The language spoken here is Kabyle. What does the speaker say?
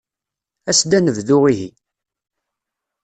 As-d ad nebdu, ihi.